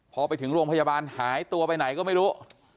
พอไปถึงโรงพยาบาลหายตัวไปไหนก็ไม่รู้